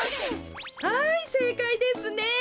はいせいかいですね。